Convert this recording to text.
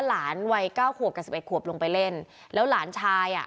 หลานวัยเก้าขวบกับสิบเอ็ดขวบลงไปเล่นแล้วหลานชายอ่ะ